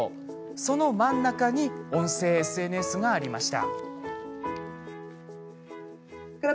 その真ん中に音声ＳＮＳがありました。